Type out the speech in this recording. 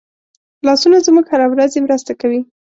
لاسونه زموږ هره ورځي مرسته کوي